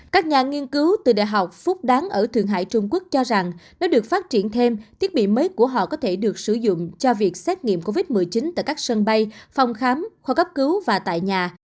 các nhà nghiên cứu từ đại học phúc đáng ở thượng hải trung quốc cho rằng nếu được phát triển thêm thiết bị mới của họ có thể được sử dụng cho việc xét nghiệm covid một mươi chín tại các sân bay phòng khám khoa cấp cứu và tại nhà